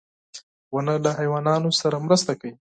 • ونه له حیواناتو سره مرسته کوي.